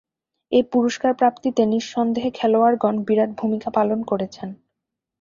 এ পুরস্কার প্রাপ্তিতে নিঃসন্দেহে খেলোয়াড়গণ বিরাট ভূমিকা পালন করেছেন।